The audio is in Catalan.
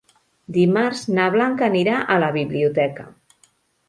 Dimarts na Blanca anirà a la biblioteca.